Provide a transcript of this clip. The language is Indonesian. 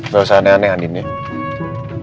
gak usah aneh aneh andi nih